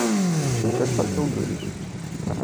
Шинчатат йылгыжеш».